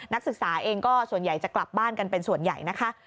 นักศึกษาเองก็ส่วนใหญ่จะกลับบ้านกันเป็นส่วนใหญ่นะคะ